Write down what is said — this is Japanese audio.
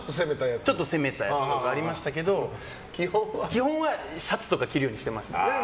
ちょっと攻めたやつとかありましたけど基本はシャツとか着るようにしてました。